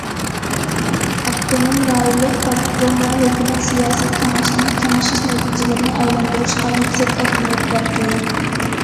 ئاپتونوم رايونلۇق پارتكوم ۋە ھۆكۈمەت سىياسىي كېڭەشنىڭ كېڭىشىش نەتىجىلىرىنى ئايلاندۇرۇشقا يۈكسەك ئەھمىيەت بەردى.